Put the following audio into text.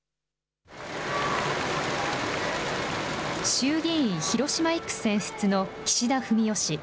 衆議院広島１区選出の岸田文雄氏。